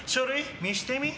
見せてみ？